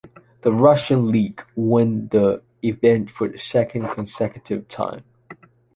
The Russian League won the event for the second consecutive time.